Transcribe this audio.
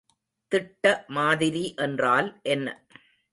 திட்ட மாதிரி என்றால் என்ன?